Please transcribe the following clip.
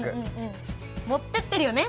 持ってってるよね？